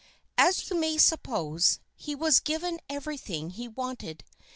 As you may suppose, he was given everything he wanted.